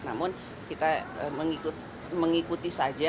atau sepakat namun kita mengikuti saja